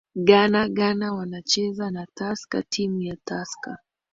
ghana ghana wanacheza na tusker timu ya tusker